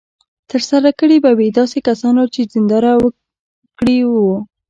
ترسره کړې به وي داسې کسانو چې دینداره وګړي وو.